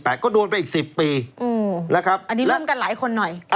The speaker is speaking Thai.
เอออันนี้ร่วมกันหลายคนหน่อย